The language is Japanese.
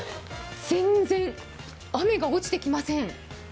全然、雨が落ちてきません。